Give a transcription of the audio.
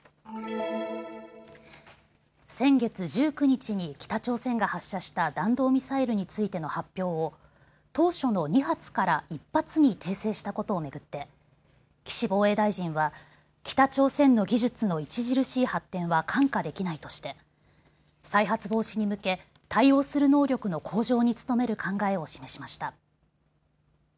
先月１９日に北朝鮮が発射した弾道ミサイルについての発表を当初の２発から１発に訂正したことを巡って岸防衛大臣は北朝鮮の技術の著しい発展は看過できないとして再発防止に向け、対応する能力の向上に努める考えを示しました。